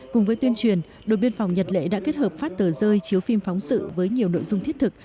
cùng với tuyên truyền đồn biên phòng nhật lệ đã kết hợp phát tờ rơi chiếu phim phóng sự với nhiều nội dung thiết thực